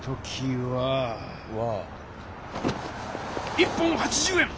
１本８０円！